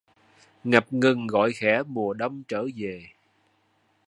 Ngập ngừng gọi khẽ mùa Đông trở về